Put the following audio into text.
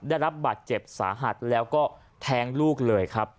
ได้รับบาดเจ็บสาหัสแล้วก็แท้งลูกเลยครับ